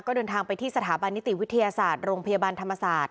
ก็เดินทางไปที่สถาบันนิติวิทยาศาสตร์โรงพยาบาลธรรมศาสตร์